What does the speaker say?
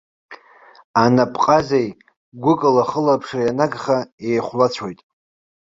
Анапҟазеи, гәыкала ахылаԥшреи анагха, еихәлацәоит.